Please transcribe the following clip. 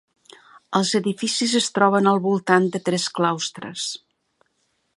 Els edificis es troben al voltant de tres claustres.